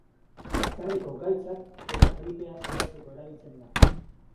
Eztarriko gaitzak eta gripea sendatzeko erabiltzen da.